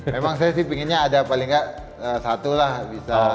memang saya sih pinginnya ada paling nggak satu lah bisa